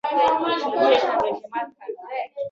خالي لاس بېرته برېټانیا ته ستون شو.